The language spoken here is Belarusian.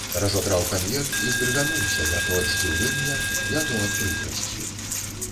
Разадраў канверт і здрыгануўся не то ад здзіўлення, не то ад прыкрасці.